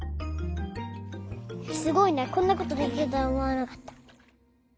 すごいねこんなことできるとはおもわなかった。